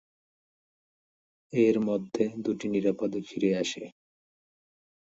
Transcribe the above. এর মধ্যে দুটি নিরাপদে ফিরে আসে।